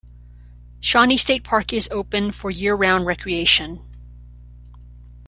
Shawnee State Park is open for year-round recreation.